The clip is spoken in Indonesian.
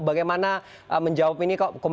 bagaimana menjawab ini kok